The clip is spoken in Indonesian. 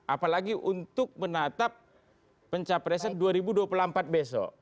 apalagi untuk menatap pencapresan dua ribu dua puluh empat besok